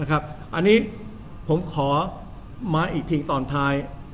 อันนี้ผมขอมาอีกทีตอนท้าย